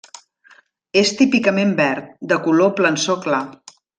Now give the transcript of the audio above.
És típicament verd, de color plançó clar.